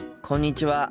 こんにちは。